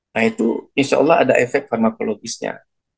nah itu insya allah ada efek farmakologisnya